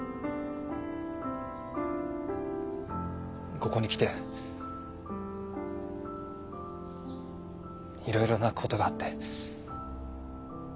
ここに来て色々なことがあって。